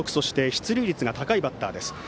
出塁率の高いバッターです。